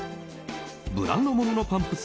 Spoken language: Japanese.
ブランド物のパンプス